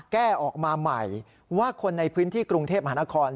แก้ออกมาใหม่ว่าคนในพื้นที่กรุงเทพมหานคร